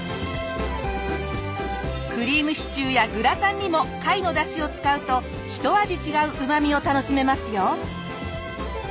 クリームシチューやグラタンにも貝のだしを使うと一味違ううまみを楽しめますよ。